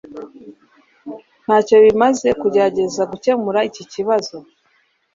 Ntacyo bimaze kugerageza gukemura iki kibazo